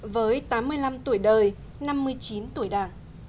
với tám mươi năm tuổi đời năm mươi chín tuổi đảng